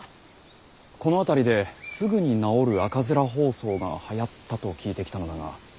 この辺りですぐに治る赤面疱瘡がはやったと聞いて来たのだが。